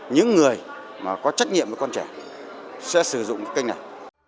những người mà có trách nhiệm với con trẻ sẽ sử dụng kênh này